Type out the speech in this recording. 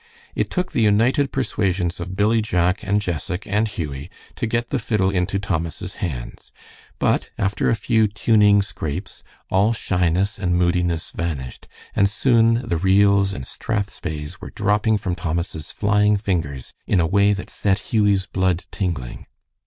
It took the united persuasions of Billy Jack and Jessac and Hughie to get the fiddle into Thomas' hands, but after a few tuning scrapes all shyness and moodiness vanished, and soon the reels and strathspeys were dropping from Thomas' flying fingers in a way that set Hughie's blood tingling.